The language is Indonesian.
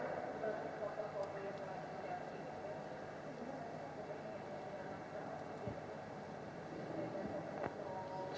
mendinggal dunia semua